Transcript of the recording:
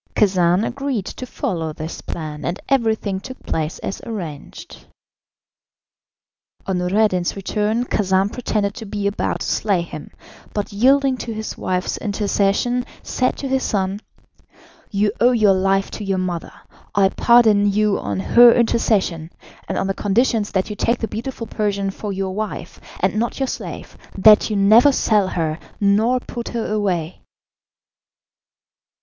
Khacan agreed to follow this plan, and everything took place as arranged. On Noureddin's return Khacan pretended to be about to slay him, but yielding to his wife's intercession, said to his son: "You owe your life to your mother. I pardon you on her intercession, and on the conditions that you take the beautiful Persian for your wife, and not your slave, that you never sell her, nor put her away."